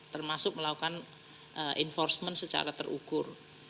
termasuk melakukan enforcement secara terukur